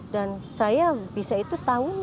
dan saya bisa itu tahu juga